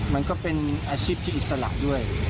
มันก็เป็นอาชีพที่อิสระด้วย